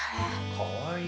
かわいい。